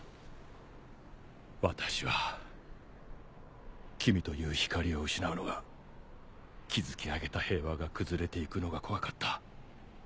私は君という光を失うのが築き上げた平和が崩れて行くのが怖かった。